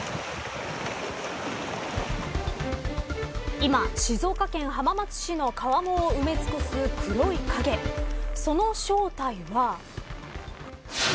今、静岡県浜松市の川面を埋め尽くす黒い影その正体は。